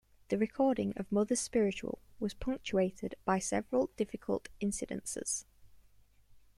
The recording of "Mother's Spiritual" was punctuated by several difficult incidences.